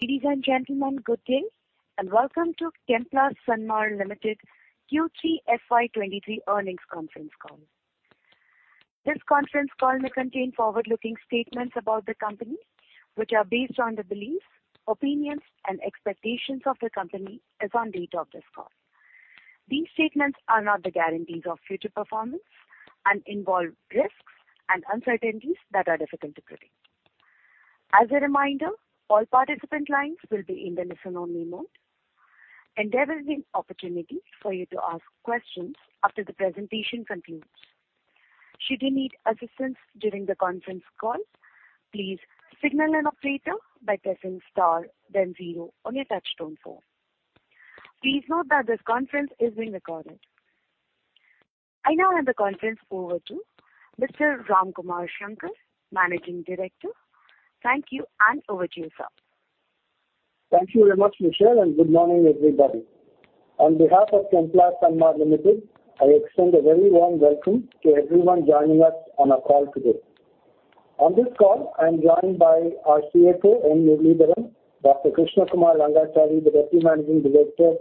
Ladies and gentlemen, good day, and welcome to Chemplast Sanmar Limited Q3 FY 2023 Earnings Conference Call. This conference call may contain forward-looking statements about the company, which are based on the beliefs, opinions, and expectations of the company as on date of this call. These statements are not the guarantees of future performance and involve risks and uncertainties that are difficult to predict. As a reminder, all participant lines will be in the listen-only mode. Endeavor to make opportunity for you to ask questions after the presentation concludes. Should you need assistance during the conference call, please signal an operator by pressing star, then zero on your touch-tone phone. Please note that this conference is being recorded. I now hand the conference over to Mr. Ramkumar Shankar, Managing Director. Thank you, and over to you, sir. Thank you very much, Michelle, and good morning, everybody. On behalf of Chemplast Sanmar Limited, I extend a very warm welcome to everyone joining us on our call today. On this call, I am joined by our CFO, N. Muralidharan, Dr. Krishna Kumar Rangachari, the Deputy Managing Director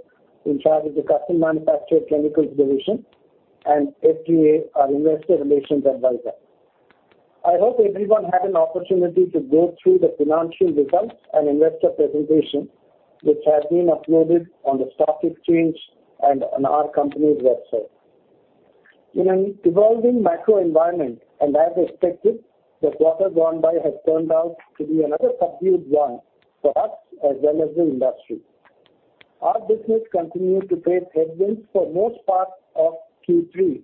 in charge of the Custom Manufactured Chemicals Division, and SGA, our Investor Relations Advisor. I hope everyone had an opportunity to go through the financial results and investor presentation, which have been uploaded on the stock exchange and on our company's website. In an evolving macro environment, and as expected, the quarter gone by has turned out to be another subdued one for us as well as the industry. Our business continued to face headwinds for most part of Q3,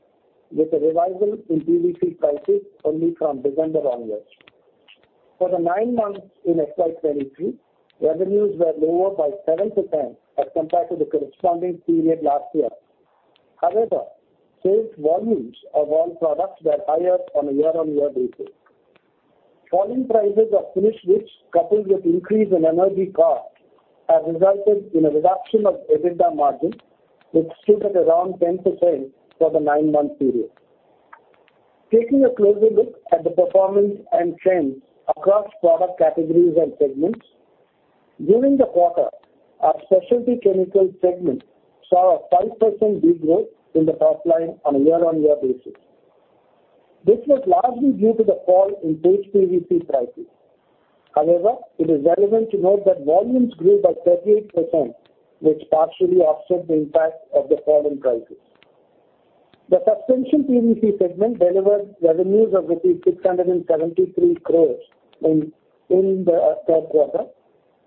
with a revival in PVC prices only from December onwards. For the nine months in FY 2023, revenues were lower by 7% as compared to the corresponding period last year. However, sales volumes of all products were higher on a year-on-year basis. Falling prices of finished bleach, coupled with increase in energy costs, have resulted in a reduction of EBITDA margin, which stood at around 10% for the nine-month period. Taking a closer look at the performance and trends across product categories and segments, during the quarter, our specialty chemical segment saw a 5% degrowth in the top line on a year-on-year basis. This was largely due to the fall in Paste PVC prices. However, it is relevant to note that volumes grew by 38%, which partially offset the impact of the fall in prices. The suspension PVC segment delivered revenues of rupees 673 crore in the third quarter,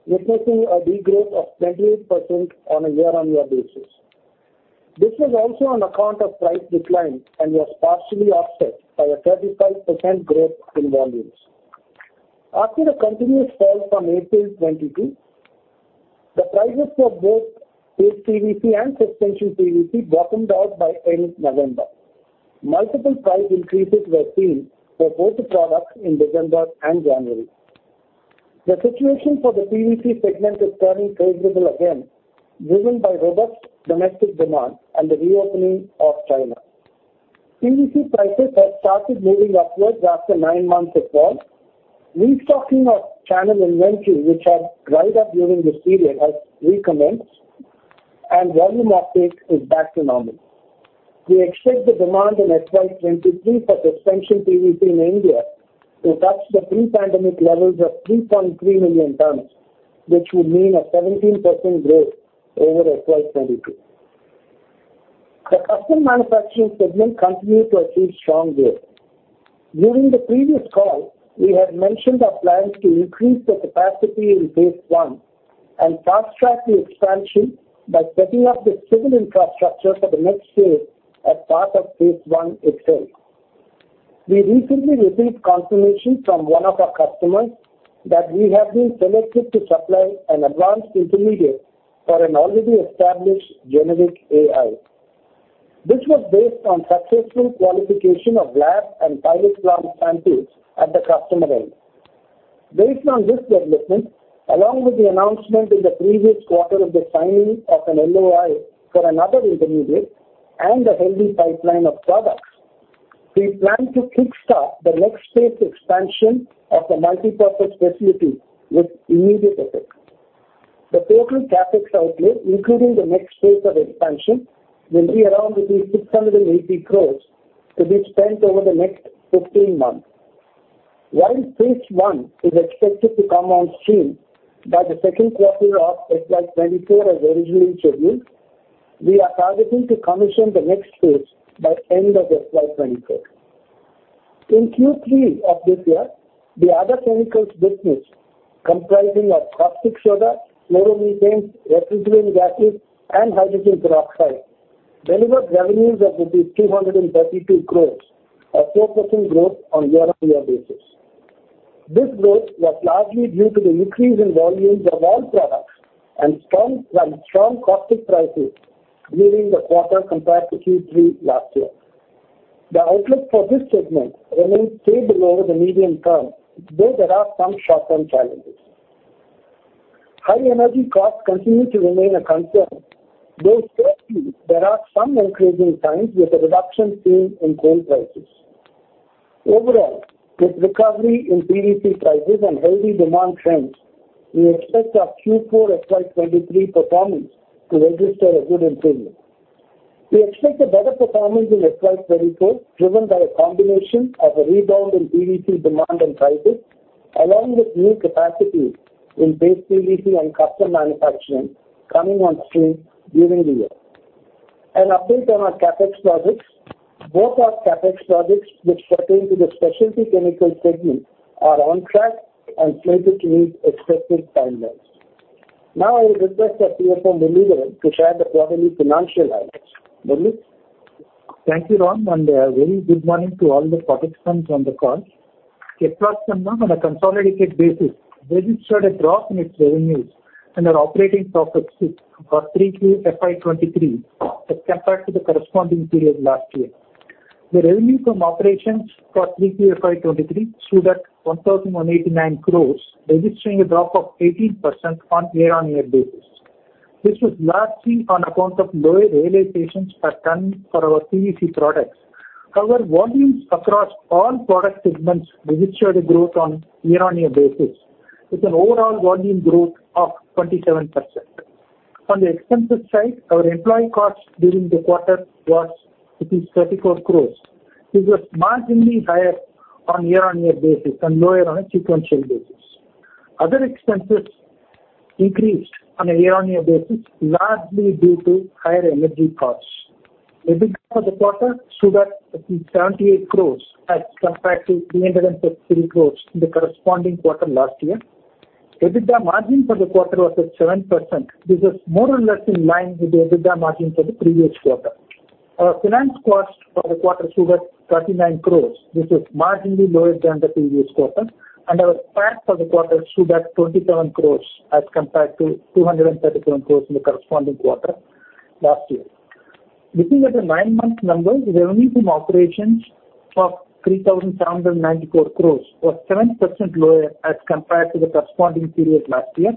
witnessing a degrowth of 28% on a year-on-year basis. This was also on account of price decline and was partially offset by a 35% growth in volumes. After the continuous fall from April 22, the prices for both Paste PVC and suspension PVC bottomed out by end November. Multiple price increases were seen for both the products in December and January. The situation for the PVC segment is turning favorable again, driven by robust domestic demand and the reopening of China. PVC prices have started moving upwards after nine months of fall. Restocking of channel inventory, which had dried up during this period, has recommenced, and volume uptake is back to normal. We expect the demand in FY 2023 for suspension PVC in India to touch the pre-pandemic levels of 3.3 million tons, which would mean a 17% growth over FY 2022. The custom manufacturing segment continued to achieve strong growth. During the previous call, we had mentioned our plans to increase the capacity in phase one and fast-track the expansion by setting up the civil infrastructure for the next phase as part of phase one itself. We recently received confirmation from one of our customers that we have been selected to supply an advanced intermediate for an already established generic AI. This was based on successful qualification of lab and pilot plant samples at the customer end. Based on this development, along with the announcement in the previous quarter of the signing of an LOI for another intermediate and a healthy pipeline of products, we plan to kick-start the next phase expansion of the multipurpose facility with immediate effect. The total CapEx outlay, including the next phase of expansion, will be around 680 crore to be spent over the next 15 months. While phase one is expected to come on stream by the second quarter of FY 2024 as originally scheduled, we are targeting to commission the next phase by end of FY 2024. In Q3 of this year, the other chemicals business, comprising our caustic soda, chloromethanes, refrigerant gases, and hydrogen peroxide, delivered revenues of rupees 232 crores, a 4% growth on a year-on-year basis. This growth was largely due to the increase in volumes of all products and strong caustic prices during the quarter compared to Q3 last year. The outlook for this segment remains stable over the medium term, though there are some short-term challenges. High energy costs continue to remain a concern, though certainly there are some increasing signs with a reduction seen in coal prices. Overall, with recovery in PVC prices and healthy demand trends, we expect our Q4 FY 2023 performance to register a good improvement. We expect a better performance in FY 2024 driven by a combination of a rebound in PVC demand and prices, along with new capacities in Paste PVC and custom manufacturing coming on stream during the year. An update on our CapEx projects: both our CapEx projects, which pertain to the specialty chemical segment, are on track and slated to meet expected timelines. Now I will request our CFO, N. Muralidharan, to share the quarterly financial highlights. Murali? Thank you, Ram, and a very good morning to all the participants on the call. Chemplast Sanmar, on a consolidated basis, registered a drop in its revenues and their operating profits for 3Q FY 2023 as compared to the corresponding period last year. The revenue from operations for 3Q FY 2023 stood at 1,089 crores, registering a drop of 18% on a year-on-year basis. This was largely on account of lower realizations per ton for our PVC products. However, volumes across all product segments registered a growth on a year-on-year basis, with an overall volume growth of 27%. On the expenses side, our employee costs during the quarter was 34 crores. This was marginally higher on a year-on-year basis and lower on a sequential basis. Other expenses increased on a year-on-year basis, largely due to higher energy costs. EBITDA for the quarter stood at INR. 78 crores as compared to 363 crores in the corresponding quarter last year. EBITDA margin for the quarter was at 7%. This was more or less in line with the EBITDA margin for the previous quarter. Our finance costs for the quarter stood at 39 crores. This was marginally lower than the previous quarter, and our PAT for the quarter stood at 27 crores as compared to 237 crores in the corresponding quarter last year. Looking at the nine-month numbers, revenue from operations of 3,794 crores was 7% lower as compared to the corresponding period last year,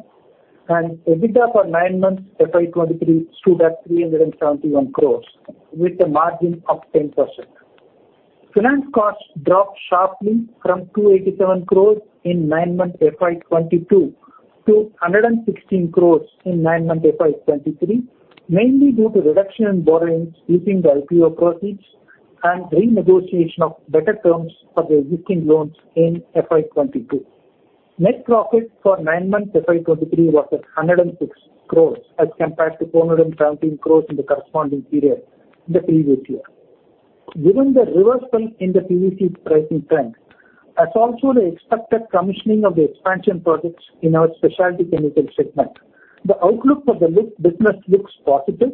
and EBITDA for nine-month FY 2023 stood at 371 crores, with a margin of 10%. Finance costs dropped sharply from 287 crores in nine-month FY 2022 to Rs. 116 crores in nine-month FY 2023, mainly due to reduction in borrowings using the IPO proceeds and renegotiation of better terms for the existing loans in FY 2022. Net profit for nine-month FY 2023 was at 106 crores as compared to 417 crores in the corresponding period in the previous year. Given the reversal in the PVC pricing trend, as also the expected commissioning of the expansion projects in our specialty chemical segment, the outlook for the business looks positive,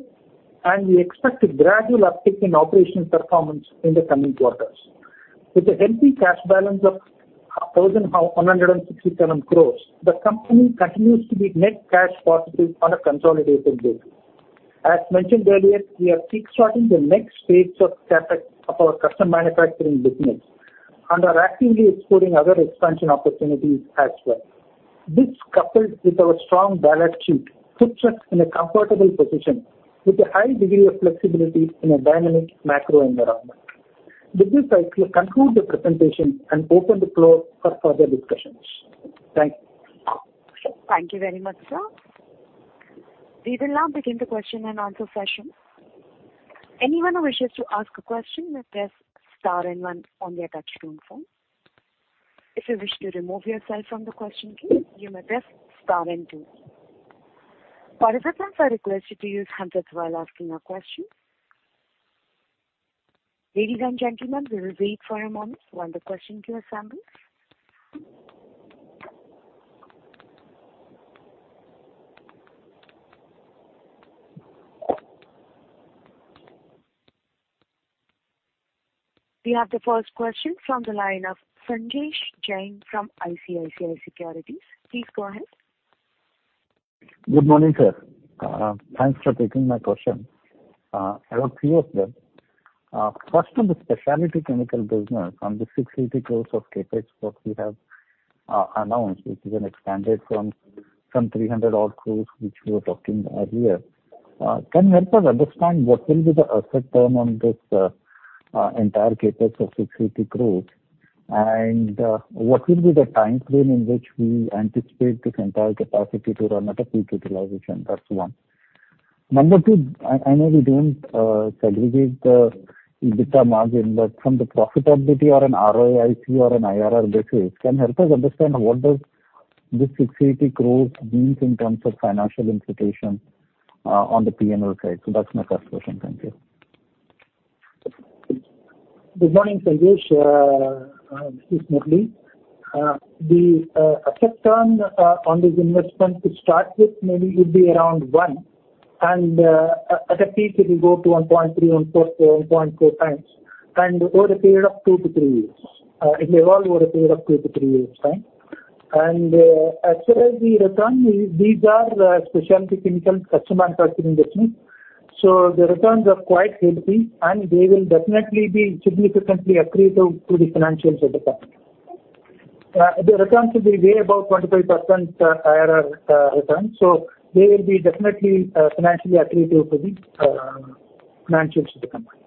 and we expect a gradual uptick in operational performance in the coming quarters. With a healthy cash balance of 1,167 crores, the company continues to be net cash positive on a consolidated basis. As mentioned earlier, we are kick-starting the next phase of CapEx of our custom manufacturing business and are actively exploring other expansion opportunities as well. This, coupled with our strong balance sheet, puts us in a comfortable position with a high degree of flexibility in a dynamic macro environment. With this, I conclude the presentation and open the floor for further discussions. Thank you. Thank you very much, sir. We will now begin the Q&A session. Anyone who wishes to ask a question may press star and one on their touch-tone phone. If you wish to remove yourself from the question queue, you may press star and two. Participants, I request you to use the handset while asking a question. Ladies and gentlemen, we will wait for a moment while the question queue assembles. We have the first question from the line of Sanjesh Jain from ICICI Securities. Please go ahead. Good morning, sir. Thanks for taking my question. I have a few of them. First, on the specialty chemical business, on the 680 crores of CapEx that we have announced, which is an expansion from some 300 odd crores, which we were talking earlier, can you help us understand what will be the asset turn on this entire CapEx of 680 crores and what will be the time frame in which we anticipate this entire capacity to run at a peak utilization? That's one. Number two, I know we don't segregate the EBITDA margin, but from the profitability on an ROIC or an IRR basis, can you help us understand what does this 680 crores mean in terms of financial implication on the P&L side? So that's my first question. Thank you. Good morning, Sanjesh. This is N. Muralidharan. The asset turn on this investment, to start with, maybe it would be around 1, and at a peak, it will go to 1.3, 1.4, 1.4 times, and over a period of 2-3 years. It will evolve over a period of 2-3 years, right? And as far as the return, these are specialty chemicals custom manufacturing business, so the returns are quite healthy, and they will definitely be significantly accretive to the financials of the company. The returns will be way above 25% IRR return, so they will be definitely financially accretive to the financials of the company.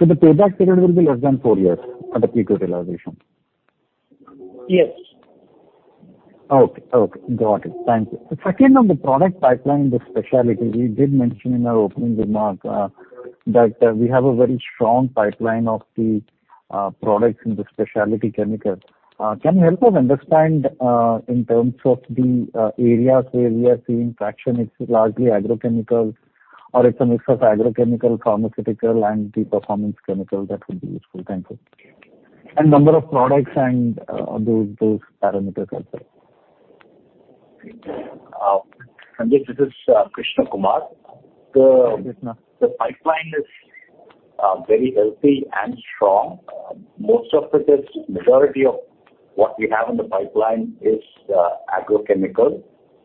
The payback period will be less than four years at a peak utilization? Yes. Okay. Okay. Got it. Thank you. Second, on the product pipeline in the specialty, we did mention in our opening remark that we have a very strong pipeline of the products in the specialty chemical. Can you help us understand in terms of the areas where we are seeing traction? It's largely agrochemical, or it's a mix of agrochemical, pharmaceutical, and the performance chemical? That would be useful. Thank you. And number of products and those parameters as well. Sanjesh, this is Krishna Kumar. The pipeline is very healthy and strong. Most of the majority of what we have in the pipeline is agrochemical,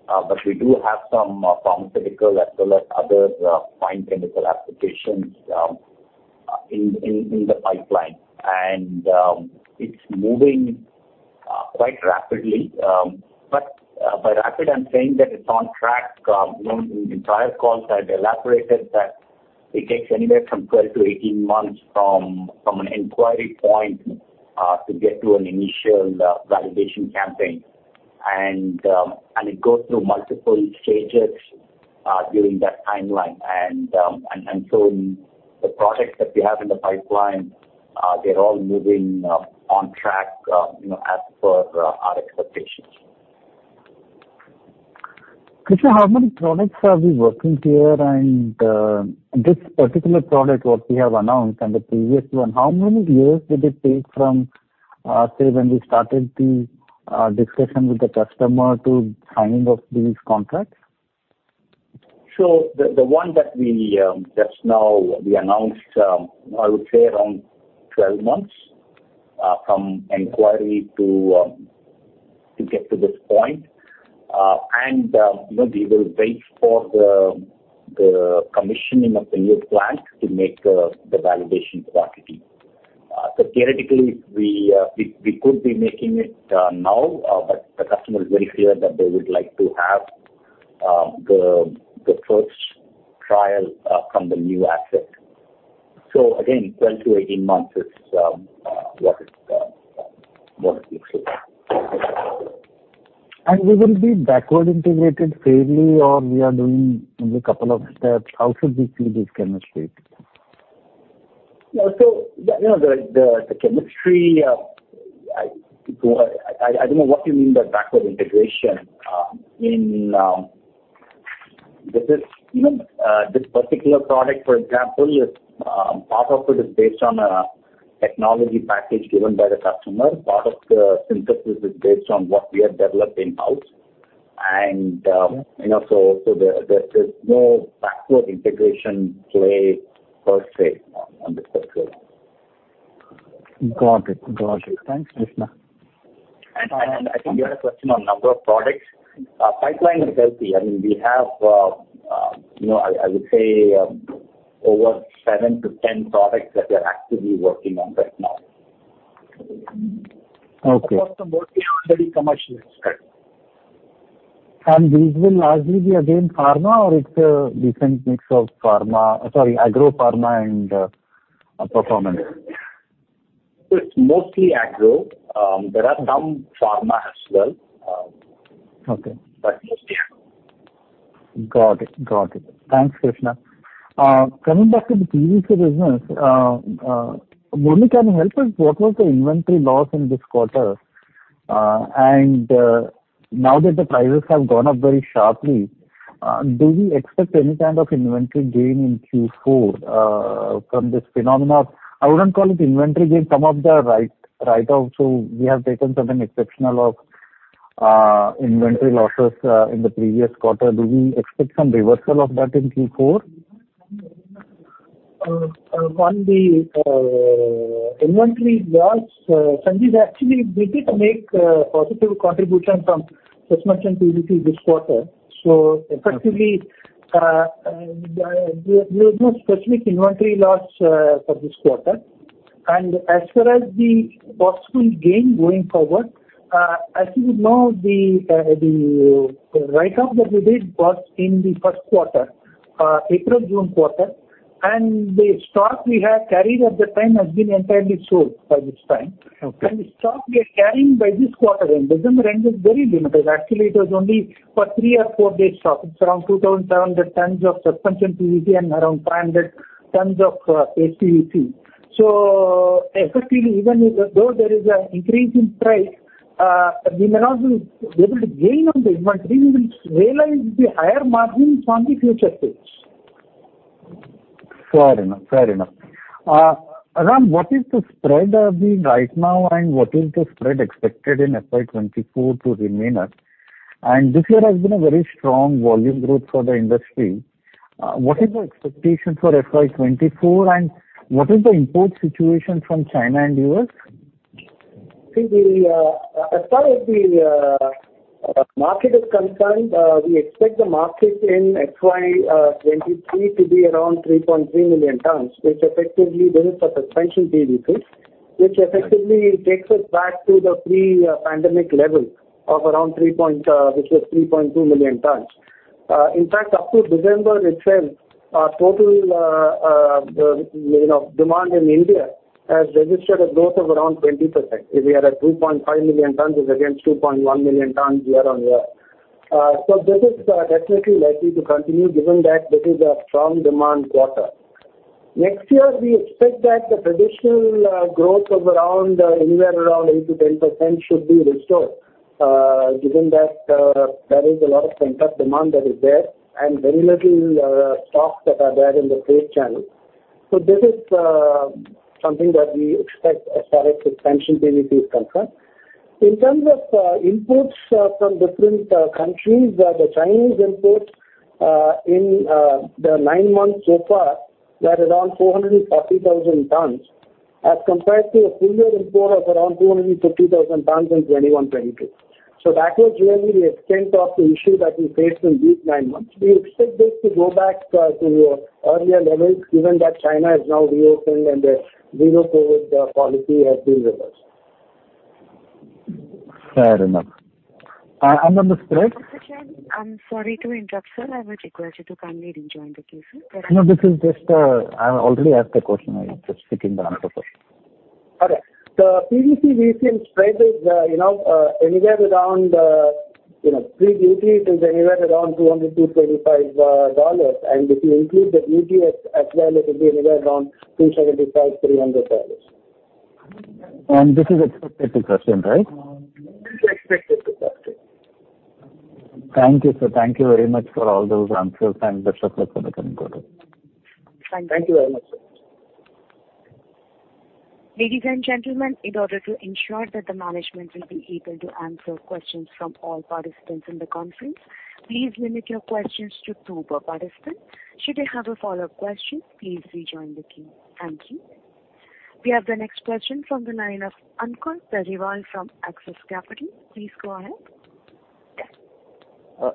but we do have some pharmaceutical as well as other fine chemical applications in the pipeline, and it's moving quite rapidly. But by rapid, I'm saying that it's on track. In prior calls, I've elaborated that it takes anywhere from 12-18 months from an inquiry point to get to an initial validation campaign, and it goes through multiple stages during that timeline. And so the products that we have in the pipeline, they're all moving on track as per our expectations. Krishna, how many products are we working here? This particular product, what we have announced and the previous one, how many years did it take from, say, when we started the discussion with the customer to signing of these contracts? The one that we just now announced, I would say around 12 months from inquiry to get to this point. We will wait for the commissioning of the new plant to make the validation quantity. Theoretically, we could be making it now, but the customer is very clear that they would like to have the first trial from the new asset. Again, 12-18 months is what it looks like. Will it be backward integrated fairly, or we are doing only a couple of steps? How should we see this chemistry? So the chemistry, I don't know what you mean by backward integration. This particular product, for example, part of it is based on a technology package given by the customer. Part of the synthesis is based on what we have developed in-house. And so there's no backward integration play per se on this particular one. Got it. Got it. Thanks, Krishna. I think you had a question on number of products. Pipeline is healthy. I mean, we have, I would say, over 7-10 products that we are actively working on right now. Okay. Of course, the most are already commercialized. These will largely be, again, pharma, or it's a decent mix of pharma sorry, agropharma and performance? It's mostly agro. There are some pharma as well, but mostly agro. Got it. Got it. Thanks, Krishna. Coming back to the PVC business, Muralidharan, can you help us? What was the inventory loss in this quarter? And now that the prices have gone up very sharply, do we expect any kind of inventory gain in Q4 from this phenomenon? I wouldn't call it inventory gain. Some of the write-offs we have taken something exceptional of inventory losses in the previous quarter. Do we expect some reversal of that in Q4? On the inventory loss, Sanjesh, actually, we did make a positive contribution from Suspension PVC this quarter. So effectively, there was no specific inventory loss for this quarter. As far as the possible gain going forward, as you would know, the write-off that we did was in the first quarter, April-June quarter. The stock we had carried at the time has been entirely sold by this time. The stock we are carrying by this quarter end, the summer end, was very limited. Actually, it was only for three- or four-day stock. It's around 2,700 tons of Suspension PVC and around 500 tons of Paste PVC. So effectively, even though there is an increase in price, we may not be able to gain on the inventory. We will realize the higher margins on the future paste. Fair enough. Fair enough. Ram, what is the spread being right now, and what is the spread expected in FY 2024 to remain? This year has been a very strong volume growth for the industry. What is the expectation for FY 2024, and what is the import situation from China and US? I think as far as the market is concerned, we expect the market in FY 2023 to be around 3.3 million tons, which effectively this is for Suspension PVC, which effectively takes us back to the pre-pandemic level of around 3.2 million tons. In fact, up to December itself, total demand in India has registered a growth of around 20%. If we are at 2.5 million tons, it's against 2.1 million tons year-on-year. So this is definitely likely to continue given that this is a strong demand quarter. Next year, we expect that the traditional growth of anywhere around 8%-10% should be restored given that there is a lot of pent-up demand that is there and very little stocks that are there in the trade channel. So this is something that we expect as far as Suspension PVC is concerned. In terms of imports from different countries, the Chinese imports in the nine months so far were around 440,000 tons as compared to a full-year import of around 250,000 tons in 2021-22. That was really the extent of the issue that we faced in these nine months. We expect this to go back to earlier levels given that China has now reopened and the Zero-COVID Policy has been reversed. Fair enough. On the spread? Sanjesh, I'm sorry to interrupt, sir. I would request you to kindly rejoin the Q, sir. No, this is just, I already asked the question. I'm just seeking the answer first. Okay. The PVC VCM spread is anywhere around pre-duty. It is anywhere around $200-$225. And if you include the duty as well, it will be anywhere around $275-$300. This is expected to custom, right? This is expected to custom. Thank you, sir. Thank you very much for all those answers. Thanks, Dr. Krishna, for the time today. Thank you. Thank you very much, sir. Ladies and gentlemen, in order to ensure that the management will be able to answer questions from all participants in the conference, please limit your questions to two per participant. Should you have a follow-up question, please rejoin the Q. Thank you. We have the next question from the line of Ankur Periwal from Axis Capital. Please go ahead.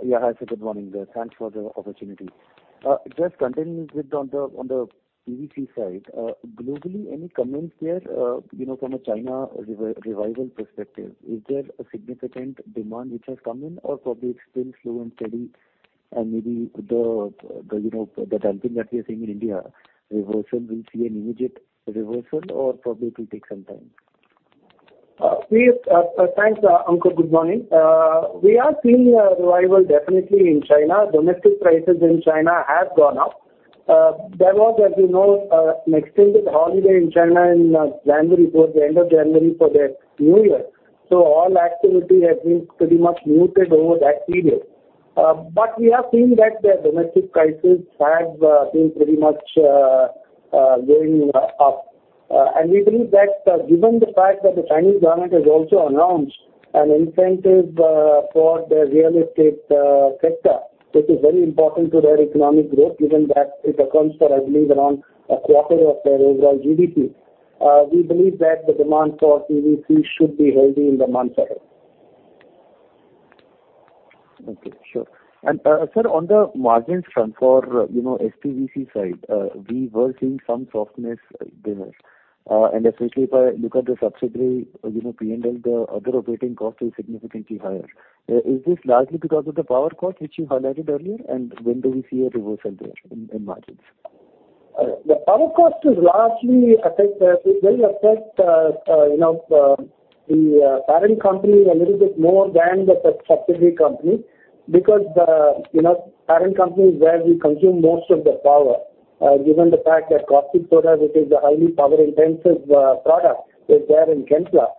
Yeah. Hi, sir. Good morning, sir. Thanks for the opportunity. Just continuing on the PVC side, globally, any comments there from a China revival perspective? Is there a significant demand which has come in, or probably it's still slow and steady? And maybe the dumping that we are seeing in India, will we see an immediate reversal, or probably it will take some time? Thanks, Ankur. Good morning. We are seeing a revival definitely in China. Domestic prices in China have gone up. There was, as you know, an extended holiday in China in January towards the end of January for the New Year. So all activity has been pretty much muted over that period. But we are seeing that the domestic prices have been pretty much going up. We believe that given the fact that the Chinese government has also announced an incentive for the real estate sector, which is very important to their economic growth given that it accounts for, I believe, around a quarter of their overall GDP, we believe that the demand for PVC should be healthy in the months ahead. Okay. Sure. And sir, on the margins front for SPVC side, we were seeing some softness there. And especially if I look at the subsidiary P&L, the other operating cost is significantly higher. Is this largely because of the power cost which you highlighted earlier, and when do we see a reversal there in margins? The power cost is largely affected. It will affect the parent company a little bit more than the subsidiary company because the parent company is where we consume most of the power given the fact that Caustic Soda, which is a highly power-intensive product, is there in Chemplast.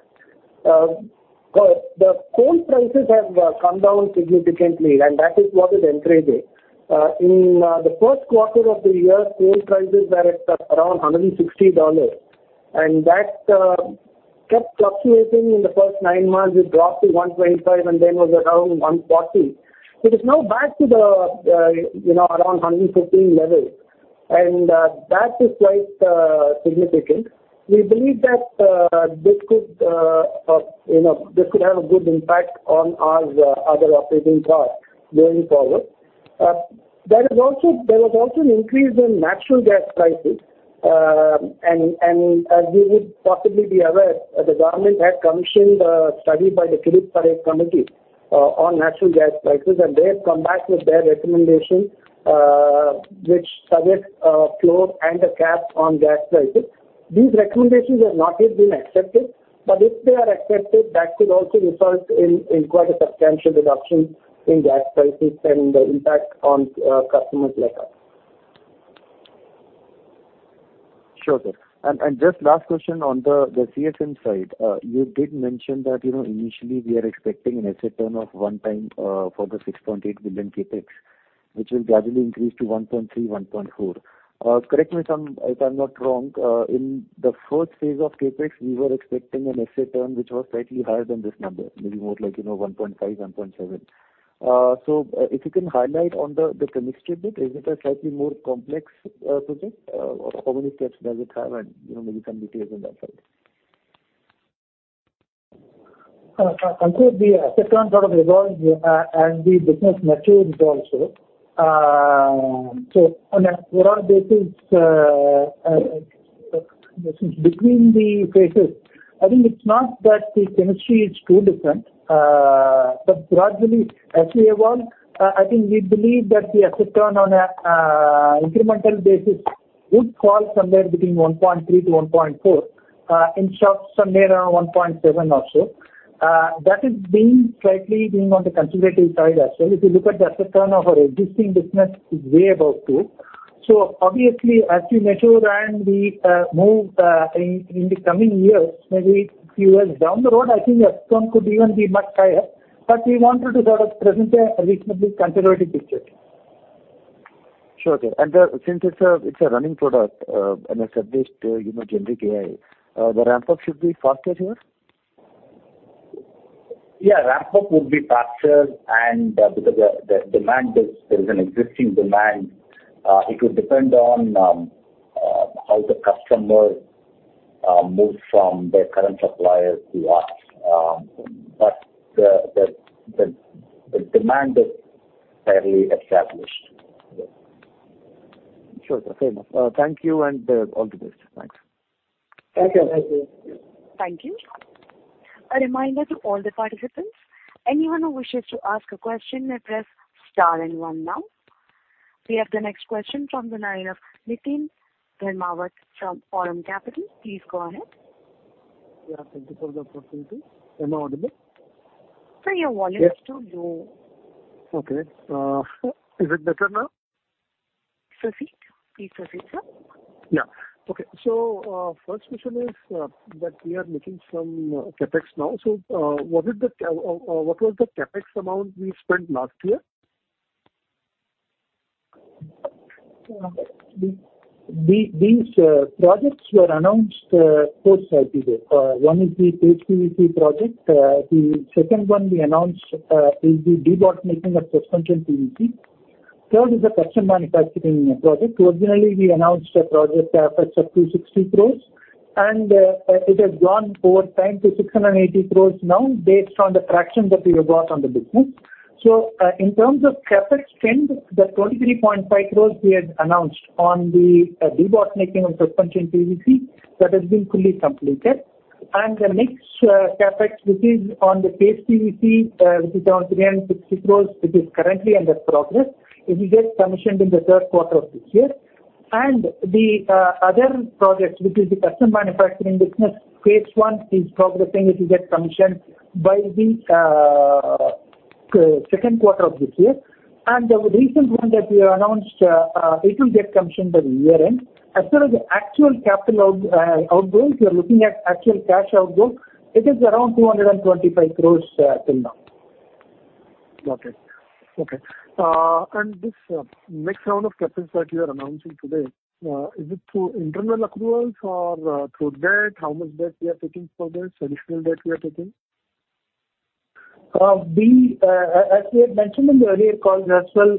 But the coal prices have come down significantly, and that is what is encouraging. In the first quarter of the year, coal prices were at around $160, and that kept fluctuating. In the first nine months, it dropped to $125 and then was around $140. It is now back to around $115 levels, and that is quite significant. We believe that this could have a good impact on our other operating costs going forward. There was also an increase in natural gas prices. As you would possibly be aware, the government had commissioned a study by the Kirit Parikh Committee on natural gas prices, and they have come back with their recommendation, which suggests a floor and a cap on gas prices. These recommendations have not yet been accepted, but if they are accepted, that could also result in quite a substantial reduction in gas prices and the impact on customers like us. Sure, sir. Just last question on the CSM side. You did mention that initially, we are expecting an asset turn of 1x for the 6.8 billion CapEx, which will gradually increase to 1.3x-1.4x. Correct me if I'm not wrong. In the first phase of CapEx, we were expecting an asset turn which was slightly higher than this number, maybe more like 1.5x-1.7x. So if you can highlight on the chemistry bit, is it a slightly more complex project, or how many steps does it have, and maybe some details on that side? Ankur, the asset turn sort of evolved, and the business methods also. So on an overall basis, between the phases, I think it's not that the chemistry is too different, but gradually, as we evolve, I think we believe that the asset turn on an incremental basis would fall somewhere between 1.3-1.4 and should be somewhere around 1.7 or so. That is slightly being on the conservative side as well. If you look at the asset turn of our existing business, it's way above 2. So obviously, as we mature and we move in the coming years, maybe a few years down the road, I think the asset turn could even be much higher. But we wanted to sort of present a reasonably conservative picture. Sure, sir. And since it's a running product and established Generic AI, the ramp-up should be faster here? Yeah, ramp-up would be faster because there is an existing demand. It would depend on how the customer moves from their current supplier to us. But the demand is fairly established. Sure, sir. Fair enough. Thank you, and all the best. Thanks. Thank you. Thank you. Thank you. A reminder to all the participants, anyone who wishes to ask a question may press star and one now. We have the next question from the line of Niteen Dharmawat from Aurum Capital. Please go ahead. Yeah. Thank you for the opportunity. Am I audible? Sir, your volume is too low. Okay. Is it better now? Proceed. Please proceed, sir. Yeah. Okay. So first question is that we are making some CapEx now. So what was the CapEx amount we spent last year? These projects were announced four slides today. One is the Paste PVC project. The second one we announced is the debottlenecking of suspension PVC. Third is a custom manufacturing project. Originally, we announced a project CapEx of 260 crores, and it has gone over time to 680 crores now based on the traction that we have got on the business. So in terms of CapEx trend, the 23.5 crores we had announced on the debottlenecking of suspension PVC, that has been fully completed. The next CapEx, which is on the Paste PVC, which is around 360 crores, which is currently under progress, it will get commissioned in the third quarter of this year. The other project, which is the custom manufacturing business, phase one is progressing. It will get commissioned by the second quarter of this year. The recent one that we announced, it will get commissioned at the year-end. As far as actual capital outgoings, we are looking at actual cash outgoings. It is around 225 crores till now. Got it. Okay. And this next round of CapEx that you are announcing today, is it through internal approvals or through debt? How much debt we are taking for this, additional debt we are taking? As we had mentioned in the earlier calls as well,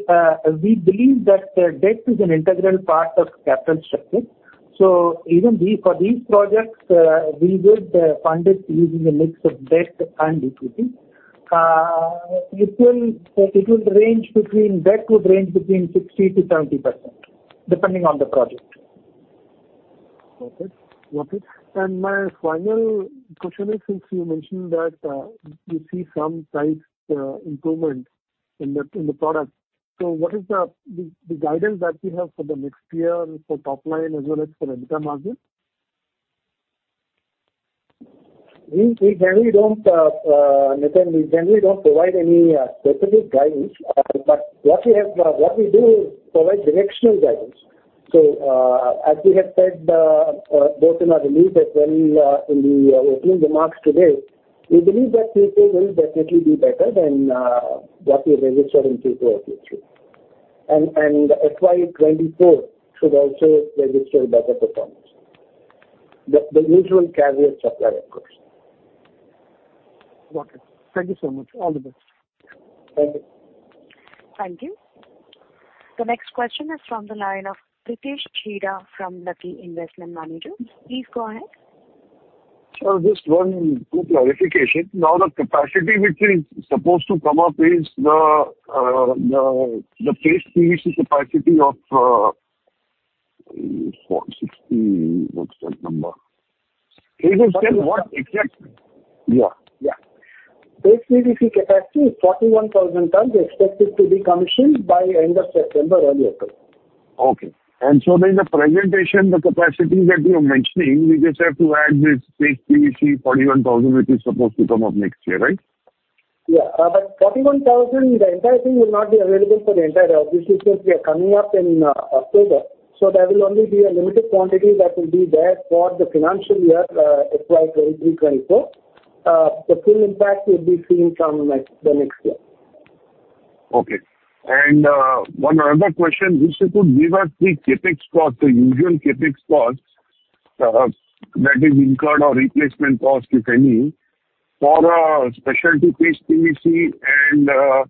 we believe that debt is an integral part of capital structure. So even for these projects, we would fund it using a mix of debt and equity. Debt would range between 60%-70% depending on the project. Got it. Got it. My final question is, since you mentioned that you see some price improvement in the product, so what is the guidance that you have for the next year for top line as well as for EBITDA margin? We generally don't, Nitin, we generally don't provide any specific guidance. But what we do is provide directional guidance. So as we have said both in our release as well in the opening remarks today, we believe that Q4 will definitely be better than what we have registered in Q4 or Q3. And FY 2024 should also register better performance, the usual caveat applies, of course. Got it. Thank you so much. All the best. Thank you. Thank you. The next question is from the line of Pritesh Chheda from Lucky Investment Managers. Please go ahead. Just one quick clarification. Now, the capacity which is supposed to come up is the Paste PVC capacity of 460. What's that number? Can you just tell me what exact? Yeah. Yeah. Paste PVC capacity is 41,000 tons. We expect it to be commissioned by the end of September, early October. Okay. The presentation, the capacity that you are mentioning, we just have to add this Paste PVC 41,000 which is supposed to come up next year, right? Yeah. But 41,000, the entire thing will not be available for the entire obviously, since we are coming up in October. So there will only be a limited quantity that will be there for the financial year, FY 2023-24. The full impact will be seen from the next year. Okay. And one other question, if you could give us the usual CapEx cost, that is incurred or replacement cost, if any, for a specialty paste PVC and the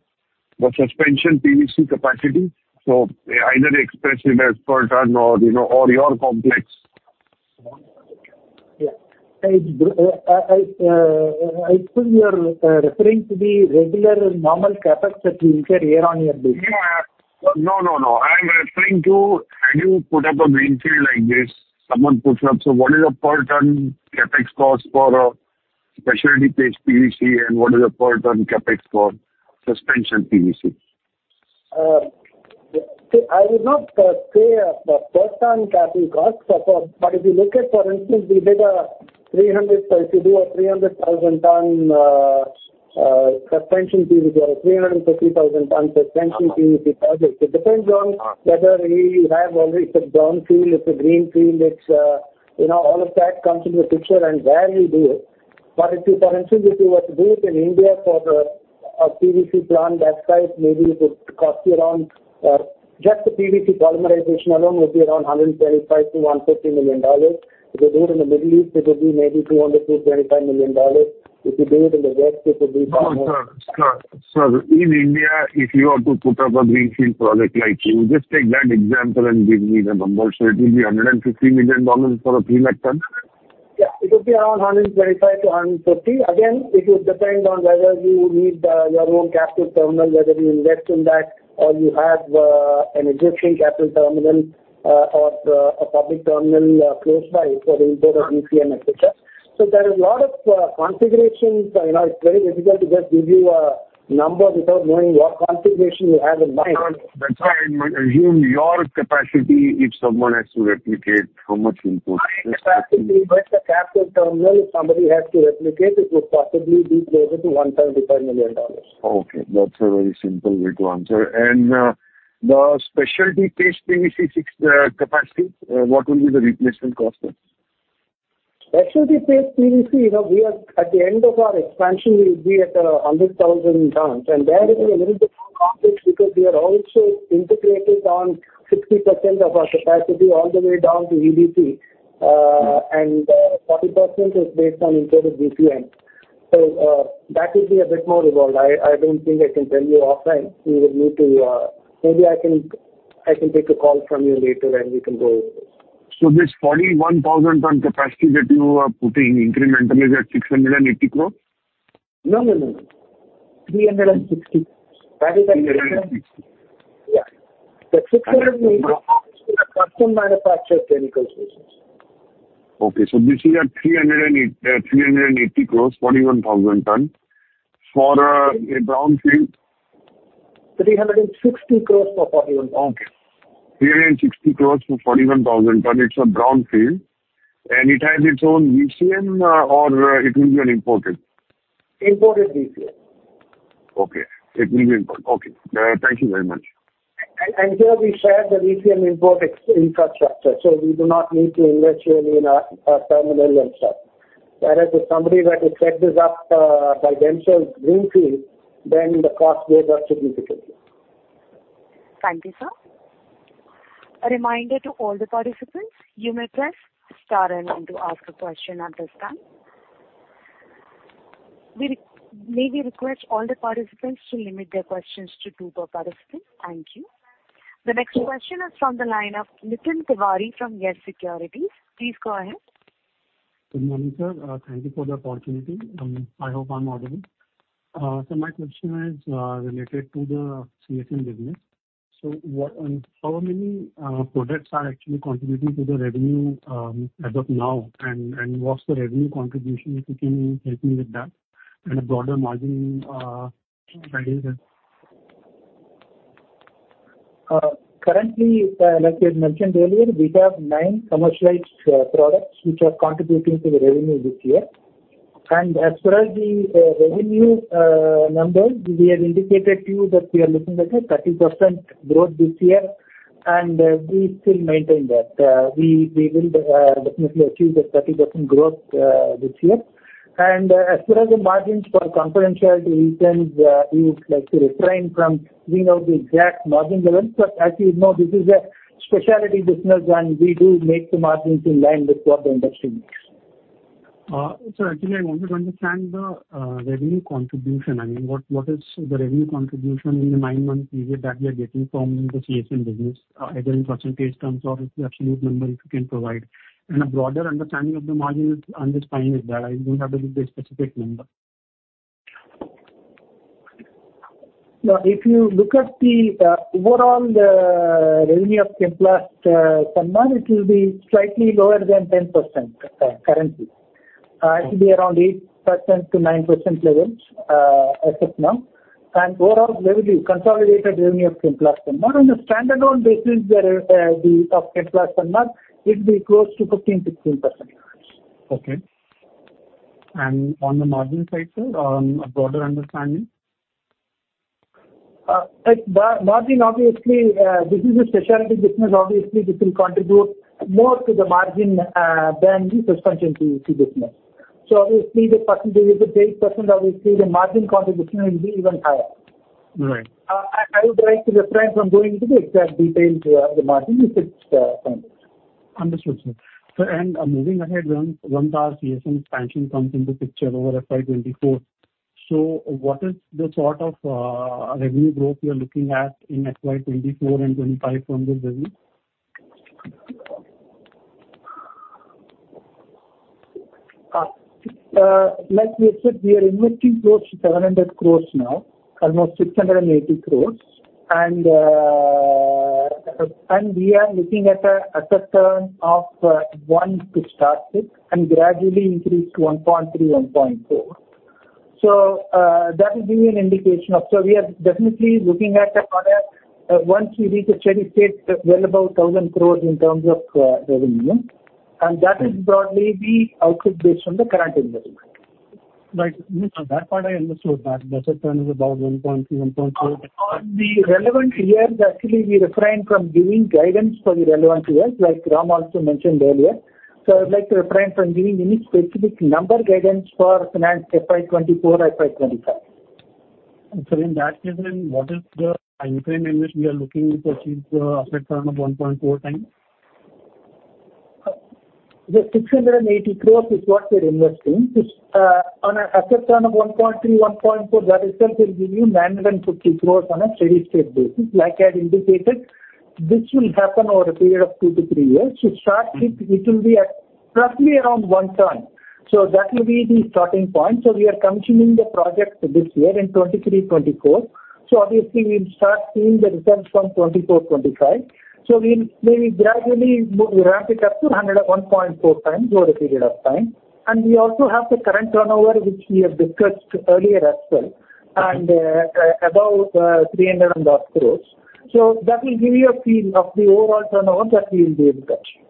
suspension PVC capacity, so either express it as per ton or your complex? Yeah. I think you're referring to the regular normal CapEx that we incur year-over-year basis? No, no, no. I am referring to, had you put up a greenfield like this, someone puts up, so what is a per-ton CapEx cost for a specialty paste PVC, and what is a per-ton CapEx for suspension PVC? See, I would not say a per-ton capital cost. But if you look at, for instance, if you do a 300,000-ton suspension PVC or a 350,000-ton suspension PVC project, it depends on whether you have already it's a brownfield, it's a greenfield, all of that comes into the picture and where you do it. But if you perhaps visit to what you do it in India for a PVC plant that size, maybe it would cost you around just the PVC polymerization alone would be around $125 million-$140 million. If you do it in the Middle East, it would be maybe $200 million-$225 million. If you do it in the West, it would be somewhere around. Sure, sir. Sir, in India, if you were to put up a greenfield project like you, just take that example and give me the number. So it will be $150 million for a 300-ton? Yeah. It would be around $125-$140. Again, it would depend on whether you need your own captive terminal, whether you invest in that, or you have an existing captive terminal or a public terminal close by for the import of EDC, etc. So there are a lot of configurations. It's very difficult to just give you a number without knowing what configuration you have in mind. That's why I assume your capacity, if someone has to replicate, how much input? My capacity, with the capital terminal, if somebody has to replicate, it would possibly be closer to $175 million. Okay. That's a very simple way to answer. The specialty paste PVC capacity, what will be the replacement cost there? Specialty Paste PVC, at the end of our expansion, we would be at 100,000 tons. There it will be a little bit more complex because we are also integrated on 60% of our capacity all the way down to EDC, and 40% is based on imported VCM. So that would be a bit more involved. I don't think I can tell you offline. We would need to maybe I can take a call from you later, and we can go over this. This 41,000-ton capacity that you are putting incrementally, is that 680 crore? No, no, no, no. 360. That is at 360. 360? Yeah. The INR 680 is for a Custom Manufactured Chemicals business. Okay. So this is at 380 crores, 41,000 tons. For a brownfield? 360 crore for 41,000. Okay. INR 360 crore for 41,000 tons. It's a brownfield, and it has its own VCM, or it will be an imported? Imported VCM. Okay. It will be imported. Okay. Thank you very much. Here we share the VCM import infrastructure, so we do not need to invest really in our terminal and stuff. Whereas if somebody were to set this up by themselves, greenfield, then the cost goes up significantly. Thank you, sir. A reminder to all the participants, you may press star and one to ask a question at this time. May we request all the participants to limit their questions to two per participant? Thank you. The next question is from the line of Nitin Tiwari from YES Securities. Please go ahead. Good morning, sir. Thank you for the opportunity. I hope I'm audible. So my question is related to the CSM business. So how many products are actually contributing to the revenue as of now, and what's the revenue contribution? If you can help me with that and a broader margin guidance. Currently, like we had mentioned earlier, we have nine commercialized products which are contributing to the revenue this year. As far as the revenue numbers, we have indicated to you that we are looking at a 30% growth this year, and we still maintain that. We will definitely achieve the 30% growth this year. As far as the margins for confidentiality reasons, we would like to refrain from giving out the exact margin levels. As you know, this is a specialty business, and we do make the margins in line with what the industry makes. Sir, actually, I wanted to understand the revenue contribution. I mean, what is the revenue contribution in the nine-month period that we are getting from the CSM business, either in percentage terms or the absolute number if you can provide? And a broader understanding of the margin is understanding that. I don't have to give the specific number. Now, if you look at the overall revenue of Chemplast Sanmar, it will be slightly lower than 10% currently. It will be around 8%-9% levels as of now. Overall revenue, consolidated revenue of Chemplast Sanmar, on a standalone basis of Chemplast Sanmar, it will be close to 15%-16%. Okay. And on the margin side, sir, a broader understanding? Margin, obviously, this is a specialty business. Obviously, this will contribute more to the margin than the Suspension PVC business. So obviously, the percentage is at 8%. Obviously, the margin contribution will be even higher. I would like to refrain from going into the exact details of the margin if it's fine. Understood, sir. And moving ahead, once our CSM expansion comes into picture over FY 2024, so what is the sort of revenue growth you're looking at in FY 2024 and 2025 from this business? Like we have said, we are investing close to 700 crore now, almost 680 crore. We are looking at a per-ton of 1 to start with and gradually increase to 1.3, 1.4. That will give you an indication of so we are definitely looking at once we reach a steady state, well above 1,000 crore in terms of revenue. That is broadly the outlook based on the current investment. Right. That part I understood, that per ton is about 1.3-1.4. On the relevant years, actually, we refrain from giving guidance for the relevant years, like Ram also mentioned earlier. I would like to refrain from giving any specific number guidance for finance FY 2024, FY2025. So in that case, then, what is the time frame in which we are looking to achieve a per-ton of 1.4 times? The 680 crore is what we're investing. On a per-ton of 1.3-1.4, that itself will give you 950 crore on a steady state basis. Like I had indicated, this will happen over a period of 2-3 years. To start with, it will be at roughly around 1-ton. So that will be the starting point. So we are commissioning the project this year in 2023-2024. So obviously, we'll start seeing the results from 2024-2025. So we'll maybe gradually ramp it up to 1.4 times over a period of time. And we also have the current turnover which we have discussed earlier as well, and about INR 300-and-odd crore. So that will give you a feel of the overall turnover that we will be able to achieve.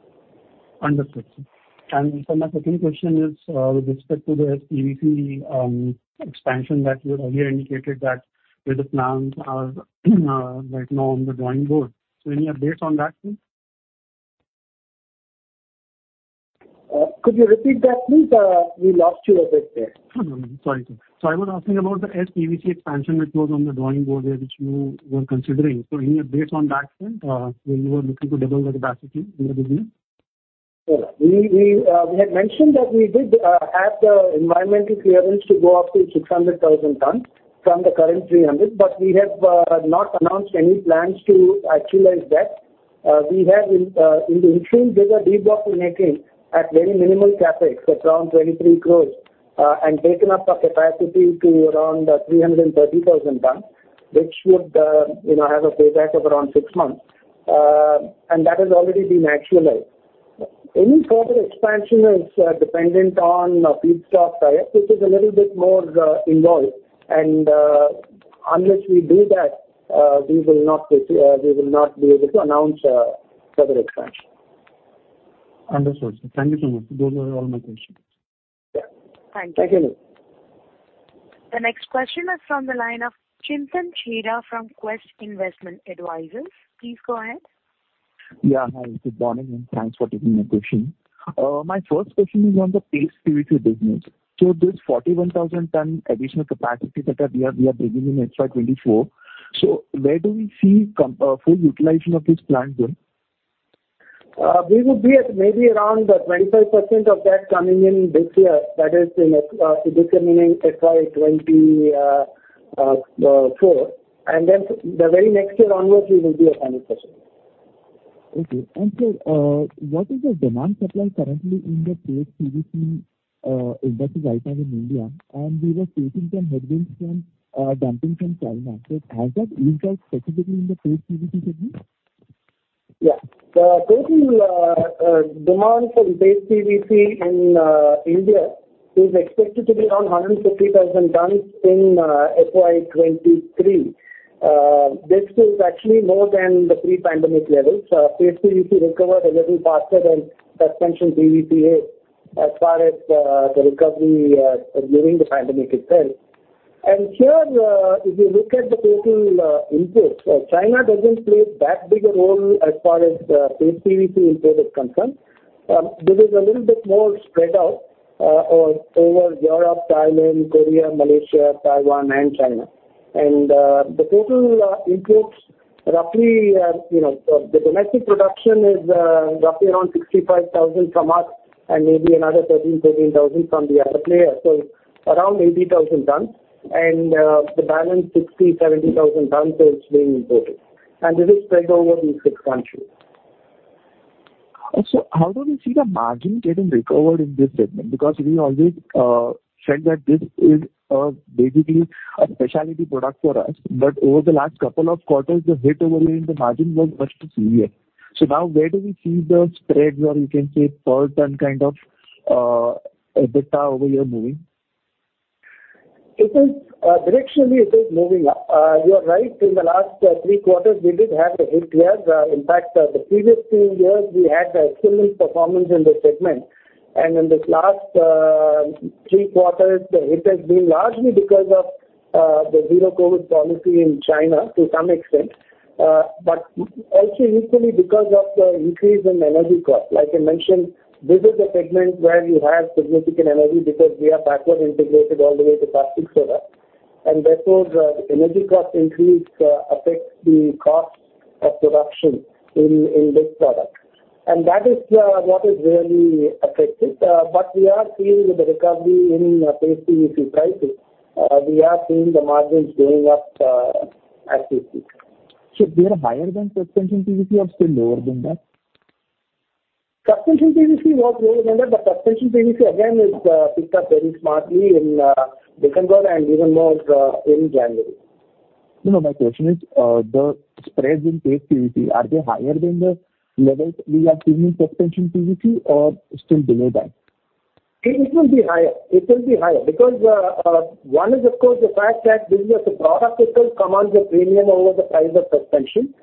Understood, sir. And so my second question is with respect to the SPVC expansion that you had earlier indicated that where the plans are right now on the drawing board. So any updates on that, please? Could you repeat that, please? We lost you a bit there. Oh, no, no. Sorry, sir. So I was asking about the SPVC expansion which was on the drawing board there which you were considering. So any updates on that point where you were looking to double the capacity in the business? Sure. We had mentioned that we did have the environmental clearance to go up to 600,000 tons from the current 300, but we have not announced any plans to actualize that. We have, in the interim, did a debottlenecking at very minimal CapEx at around 23 crore and taken up a capacity to around 330,000 tons, which would have a payback of around six months. And that has already been actualized. Any further expansion is dependent on feedstock type, which is a little bit more involved. And unless we do that, we will not be able to announce further expansion. Understood, sir. Thank you so much. Those are all my questions. Yeah. Thank you. Thank you, Nitin. The next question is from the line of Chintan Chheda from Quest Investment Advisors. Please go ahead. Yeah. Hi. Good morning, and thanks for taking my question. My first question is on the Paste PVC business. So this 41,000-ton additional capacity that we are bringing in FY 2024, so where do we see full utilization of this plant going? We would be at maybe around 25% of that coming in this year. That is in this year meaning FY 2024. And then the very next year onwards, we will be at 100%. Okay. Sir, what is the demand supply currently in the Paste PVC industries right now in India? We were facing some headwinds from dumping from China. Has that eased out specifically in the Paste PVC segment? Yes. The total demand for the Paste PVC in India is expected to be around 150,000 tons in FY 2023. This is actually more than the pre-pandemic levels. Paste PVC recovered a little faster than suspension PVC is as far as the recovery during the pandemic itself. And here, if you look at the total inputs, China doesn't play that big a role as far as Paste PVC import is concerned. This is a little bit more spread out over Europe, Thailand, Korea, Malaysia, Taiwan, and China. And the total inputs, roughly, the domestic production is roughly around 65,000 from us and maybe another 13,000-14,000 from the other player, so around 80,000 tons. And the balance, 60,000-70,000 tons, is being imported. And this is spread over these six countries. So how do we see the margin getting recovered in this segment? Because we always said that this is basically a specialty product for us, but over the last couple of quarters, the hit over here in the margin was much more severe. So now, where do we see the spreads, or you can say per-ton kind of data over here moving? Directionally, it is moving up. You're right. In the last three quarters, we did have a hit there. In fact, the previous two years, we had excellent performance in this segment. In this last three quarters, the hit has been largely because of the Zero-COVID policy in China to some extent, but also equally because of the increase in energy cost. Like I mentioned, this is a segment where you have significant energy because we are backward integrated all the way to caustic soda. And therefore, the energy cost increase affects the cost of production in this product. And that is what is really affected. But we are seeing with the recovery in Paste PVC prices, we are seeing the margins going up as we speak. Is it higher than Suspension PVC, or still lower than that? Suspension PVC was lower than that, but suspension PVC, again, is picked up very smartly in December and even more in January. No, no. My question is, the spreads in Paste PVC, are they higher than the levels we are seeing in Suspension PVC, or still below that? It will be higher. It will be higher because one is, of course, the fact that this is a product that comes with premium over the price of suspension.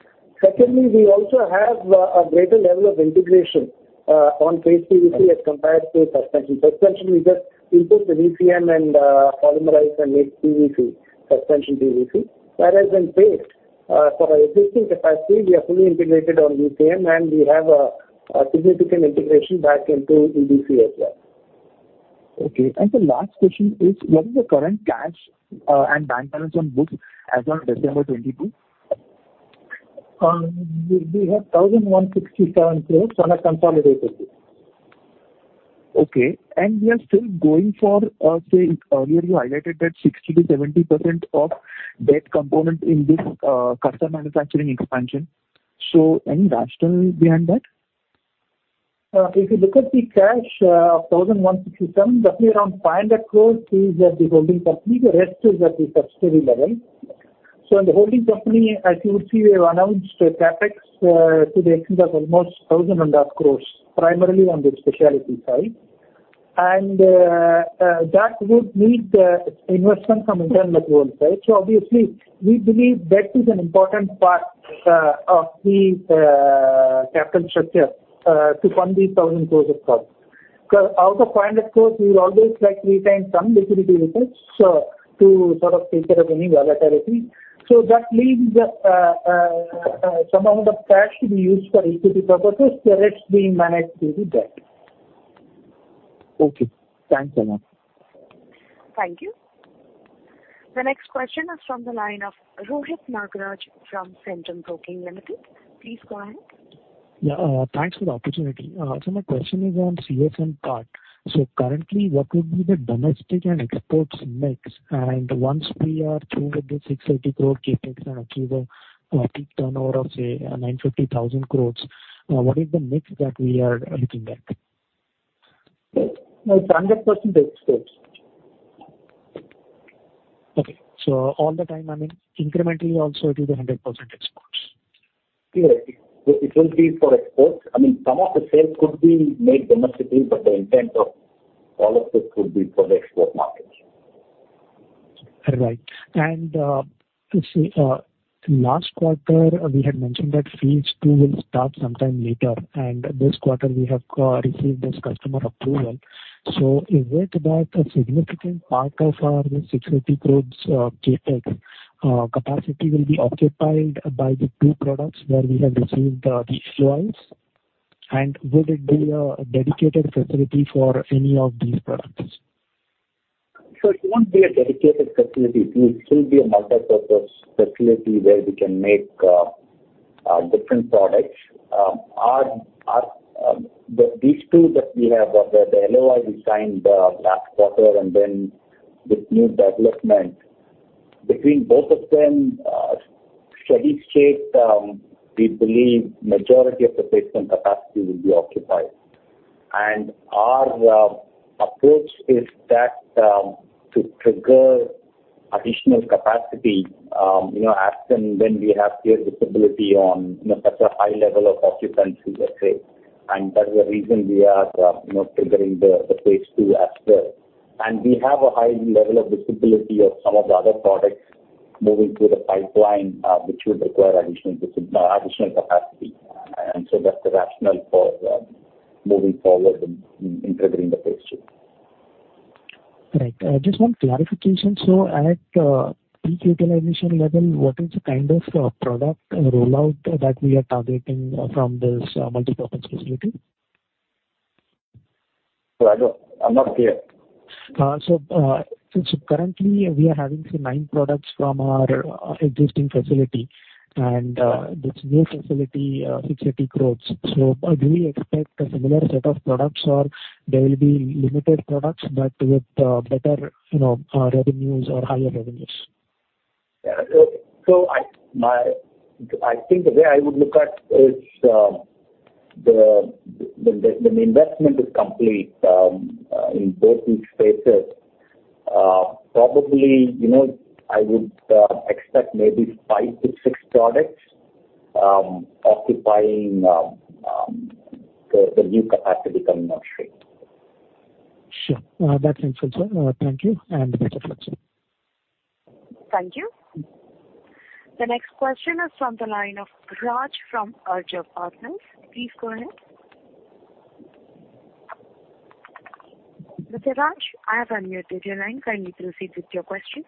Secondly, we also have a greater level of integration on Paste PVC as compared to suspension. Suspension, we just input the VCM and polymerize and make PVC, suspension PVC. Whereas in Paste, for our existing capacity, we are fully integrated on VCM, and we have a significant integration back into EDC as well. Okay. The last question is, what is the current cash and bank balance on books as of December 22? We have INR 1,167 crores on a consolidated book. Okay. We are still going for, say, earlier, you highlighted that 60%-70% of debt component in this custom manufacturing expansion. So any rationale behind that? If you look at the cash of 1,167 crores, roughly around 500 crores is at the holding company. The rest is at the subsidiary level. So in the holding company, as you would see, we have announced CapEx to the extent of almost 1,000-odd crores primarily on the specialty side. And that would need investment from internal growth side. So obviously, we believe debt is an important part of the capital structure to fund these 1,000 crores of products. Because out of 500 crores, we would always like to retain some liquidity reserves to sort of take care of any volatility. So that leaves some amount of cash to be used for equity purposes. The rest being managed through the debt. Okay. Thanks, Raman. Thank you. The next question is from the line of Rohit Nagraj from Centrum Broking Limited. Please go ahead. Yeah. Thanks for the opportunity. So my question is on CSM part. So currently, what would be the domestic and exports mix? And once we are through with the 680 crore CapEx and achieve a peak turnover of, say, 950,000 crore, what is the mix that we are looking at? It's 100% exports. Okay. So all the time, I mean, incrementally also to the 100% exports? Clearly, it will be for exports. I mean, some of the sales could be made domestically, but the intent of all of this would be for the export market. Right. And let's see. Last quarter, we had mentioned that phase two will start sometime later. And this quarter, we have received this customer approval. So is it that a significant part of our INR 680 crore CapEx capacity will be occupied by the two products where we have received the LOIs? And would it be a dedicated facility for any of these products? It won't be a dedicated facility. It will still be a multipurpose facility where we can make different products. These two that we have, the LOI we signed last quarter and then this new development, between both of them, steady state, we believe the majority of the Phase-1 capacity will be occupied. Our approach is to trigger additional capacity as and when we have clear visibility on such a high level of occupancy, let's say. That is the reason we are triggering the Phase 2 as well. We have a high level of visibility of some of the other products moving through the pipeline, which would require additional capacity. So that's the rationale for moving forward in triggering the Phase 2. Right. Just one clarification. So at peak utilization level, what is the kind of product rollout that we are targeting from this multipurpose facility? I'm not clear. Currently, we are having, say, nine products from our existing facility. This new facility, 680 crore. Do we expect a similar set of products, or there will be limited products but with better revenues or higher revenues? Yeah. I think the way I would look at it is when the investment is complete in both these phases, probably I would expect maybe 5-6 products occupying the new capacity coming on stream. Sure. That makes sense, sir. Thank you. And better flexible. Thank you. The next question is from the line of Raj from Arjav Partners. Please go ahead. Mr. Raj, I have unmuted your line. Kindly proceed with your question.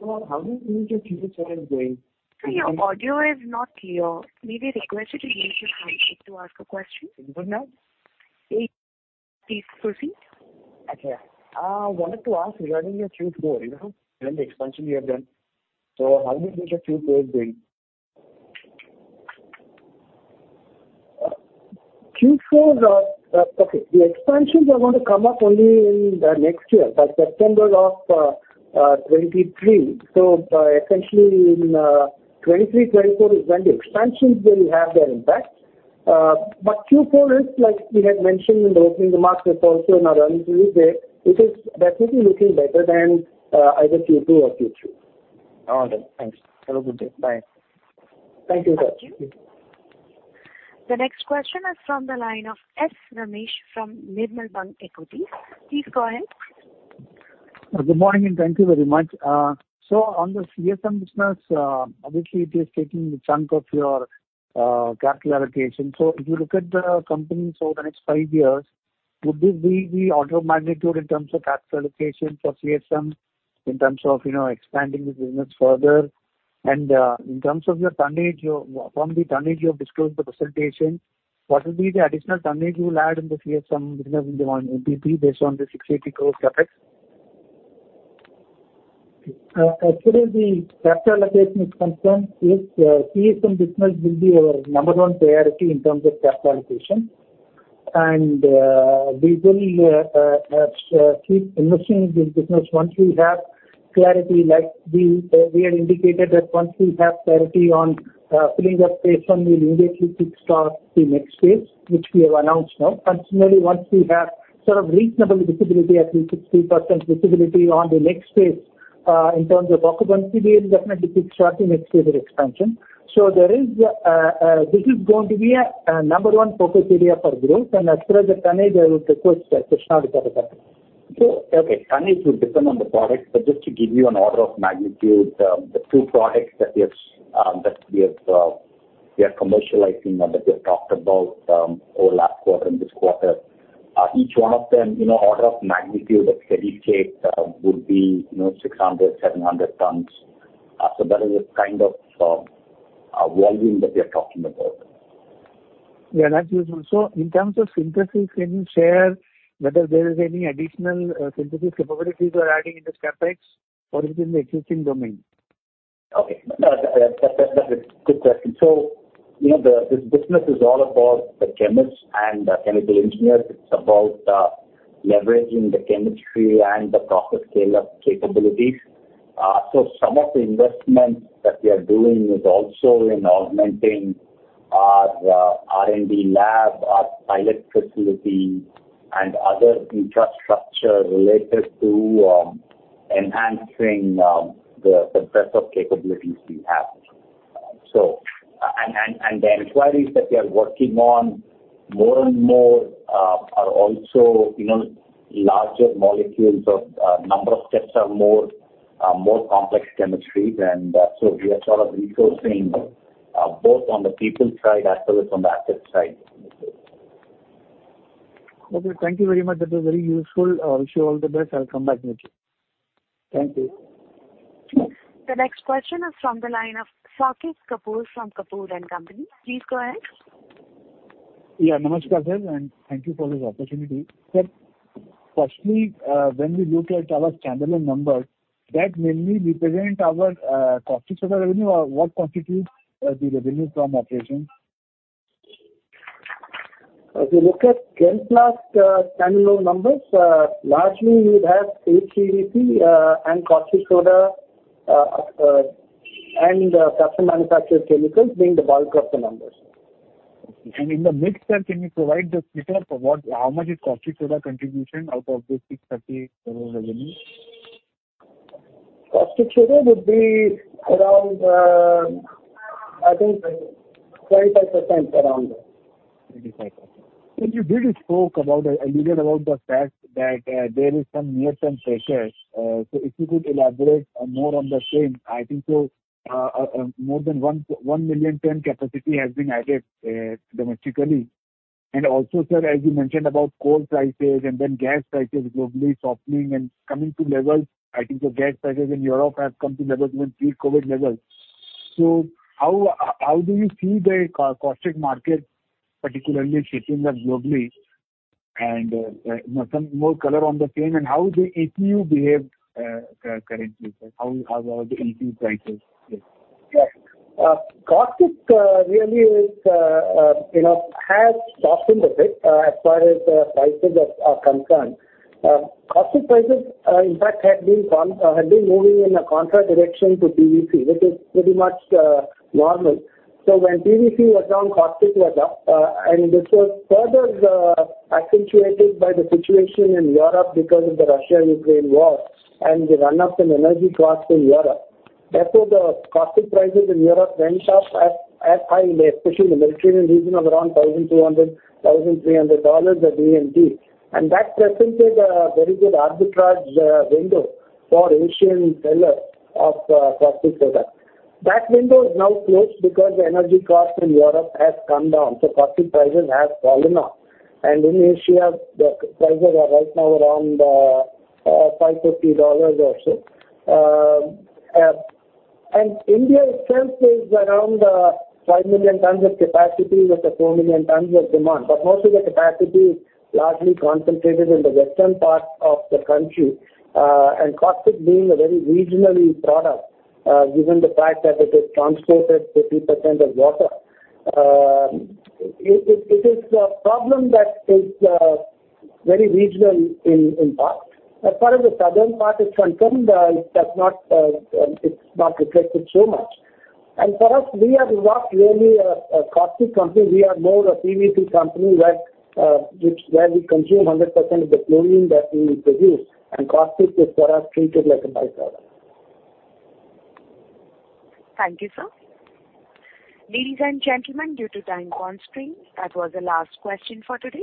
Hello. How do you hear your Q&A going? Sir, your audio is not clear. May we request you to use your handset to ask a question? Internet? Please proceed. Okay. I wanted to ask regarding your Q4, given the expansion you have done. So how do you think your Q4 is going? Okay. The expansions are going to come up only in next year, by September of 2023. So essentially, in 2023, 2024 is when the expansions will have their impact. But Q4 is, like we had mentioned in the opening remarks and also in our earlier interviews there, it is definitely looking better than either Q2 or Q3. All right then. Thanks. Have a good day. Bye. Thank you, sir. Thank you. The next question is from the line of S. Ramesh from Nirmal Bang Equities. Please go ahead. Good morning, and thank you very much. So on the CSM business, obviously, it is taking a chunk of your capital allocation. So if you look at the companies over the next five years, would this be the order of magnitude in terms of capital allocation for CSM in terms of expanding this business further? And in terms of your tonnage, from the tonnage you have disclosed in the presentation, what will be the additional tonnage you will add in the CSM business in the MPP based on the 680 crore CapEx? As far as the capital allocation is concerned, CSM business will be our number one priority in terms of capital allocation. And we will keep investing in this business once we have clarity. We had indicated that once we have clarity on filling up phase one, we'll immediately kick-start the next phase, which we have announced now. And similarly, once we have sort of reasonable visibility, at least 60% visibility on the next phase in terms of occupancy, we will definitely kick-start the next phase of expansion. So this is going to be a number one focus area for growth. And as far as the tonnage, I would request Krishna to tell us about it. Okay. Tonnage would depend on the product. But just to give you an order of magnitude, the two products that we are commercializing or that we have talked about over last quarter and this quarter, each one of them, order of magnitude of steady state, would be 600-700 tons. So that is the kind of volume that we are talking about. Yeah. That's useful. So in terms of synthesis in share, whether there is any additional synthesis capabilities we are adding in this CapEx or within the existing domain? Okay. That's a good question. So this business is all about the chemists and the chemical engineers. It's about leveraging the chemistry and the process scale-up capabilities. So some of the investments that we are doing is also in augmenting our R&D lab, our pilot facility, and other infrastructure related to enhancing the breadth of capabilities we have. And the inquiries that we are working on more and more are also larger molecules of number of steps are more complex chemistries. And so we are sort of resourcing both on the people side as well as on the asset side. Okay. Thank you very much. That was very useful. I wish you all the best. I'll come back with you. Thank you. The next question is from the line of Saket Kapoor from Kapoor & Co. Please go ahead. Yeah. Namaskar, sir. Thank you for this opportunity. Sir, firstly, when we look at our standalone numbers, that mainly represent our customer revenue, or what constitutes the revenue from operations? If we look at Chemplast's standalone numbers, largely, you would have Paste PVC and caustic soda and custom manufactured chemicals being the bulk of the numbers. Okay. In the mix, sir, can you provide the split-up of how much is caustic soda contribution out of this 630 crore revenue? Caustic soda would be around, I think, 25% around there. 25%. You did speak about and alluded to the fact that there is some near-term pressure. So if you could elaborate more on the same, I think so, more than one million tons capacity has been added domestically. And also, sir, as you mentioned about coal prices and then gas prices globally softening and coming to levels, I think gas prices in Europe have come to levels even pre-COVID levels. So how do you see the caustic market, particularly shifting up globally? And some more color on the same. And how does the ECU behave currently, sir? How are the ECU prices? Yeah. Caustic really has softened a bit as far as prices are concerned. Caustic prices, in fact, have been moving in a counter direction to PVC, which is pretty much normal. So when PVC was down, Caustic was up. And this was further accentuated by the situation in Europe because of the Russia-Ukraine war and the run-up in energy costs in Europe. Therefore, the Caustic prices in Europe went up as high, especially in the Mediterranean region, of around $1,200-$1,300 per MT. And that presented a very good arbitrage window for Asian sellers of Caustic products. That window is now closed because the energy costs in Europe have come down. So Caustic prices have fallen off. And in Asia, the prices are right now around $550 or so. And India itself is around 5 million tons of capacity with the 4 million tons of demand. But most of the capacity is largely concentrated in the western part of the country. And caustic being a very regional product, given the fact that it is transported 50% of water, it is a problem that is very regional in part. As far as the southern part is concerned, it's not reflected so much. And for us, we are not really a caustic company. We are more a PVC company where we consume 100% of the chlorine that we produce. And caustic is, for us, treated like a byproduct. Thank you, sir. Ladies and gentlemen, due to time constraints, that was the last question for today.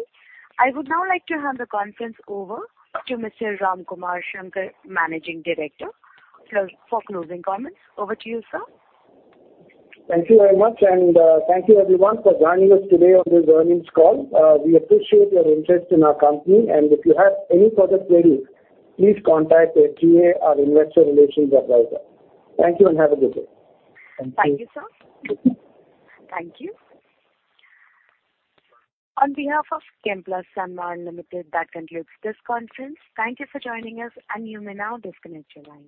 I would now like to hand the conference over to Mr. Ramkumar Shankar, Managing Director, for closing comments. Over to you, sir. Thank you very much. Thank you, everyone, for joining us today on this earnings call. We appreciate your interest in our company. If you have any further queries, please contact SGA, our investor relations advisor. Thank you, and have a good day. Thank you. Thank you, sir. Thank you. On behalf of Chemplast Sanmar Limited, that concludes this conference. Thank you for joining us. You may now disconnect your line.